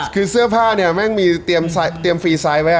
คือเสื้อผ้าเนี่ยแม่งมีเตรียมฟรีไซด์ไว้